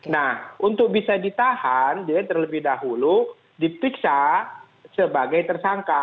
nah untuk bisa ditahan dia terlebih dahulu diperiksa sebagai tersangka